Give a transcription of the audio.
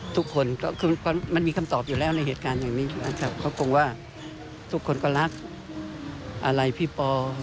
ทุกคนก็คือมันมีคำตอบอยู่แล้วในเหตุการณ์ว่าทุกคนรักอะไรพี่ปอ